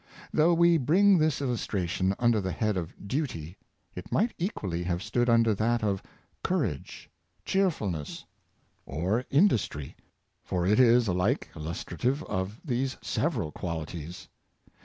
Though we bring this illustration under the head of Duty, it might equally have stood under that of Cour age, Cheerfulness, or Industry; for it is alike illustra tive of these several qualities.